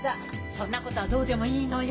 そんなことはどうでもいいのよ。